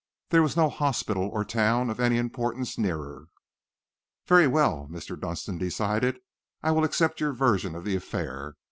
There was no hospital or town of any importance nearer." "Very well," Mr. Dunster decided. "I will accept your version of the affair.